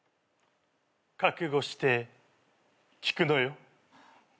覚悟して聞くのよ。